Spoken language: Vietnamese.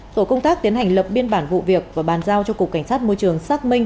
tổ công tác tiến hành lập biên bản vụ việc và bàn giao cho cục cảnh sát môi trường xác minh